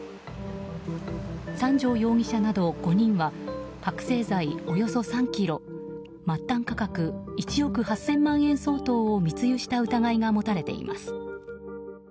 三條容疑者など５人は覚醒剤およそ３ｋｇ末端価格１億８０００万円相当を密輸した疑いが持たれています。